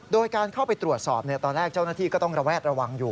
โดยการเข้าไปตรวจสอบตอนแรกเจ้าหน้าที่ก็ต้องระแวดระวังอยู่